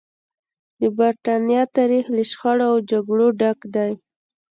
د برېټانیا تاریخ له شخړو او جګړو ډک دی.